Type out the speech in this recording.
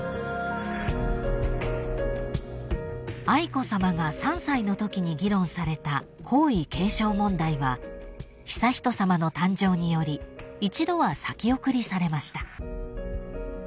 ［愛子さまが３歳のときに議論された皇位継承問題は悠仁さまの誕生により一度は先送りされました］